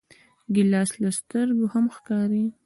ګیلاس له سترګو هم ښکاري.